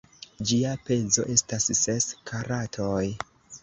Ĝia pezo estas ses karatoj.